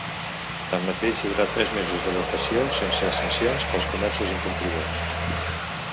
Tanmateix, hi haurà tres mesos d’adaptació sense sancions pels comerços incomplidors.